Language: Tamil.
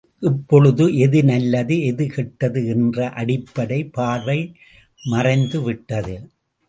இப்பொழுது எது நல்லது எது கெட்டது என்ற அடிப்படை பார்வை மறைந்துவிட்டது.